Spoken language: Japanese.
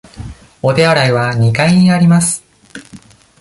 お手洗いは二階にあります。